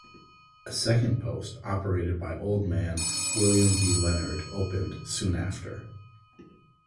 A second post operated by "Old Man" William B. Leonard opened soon after.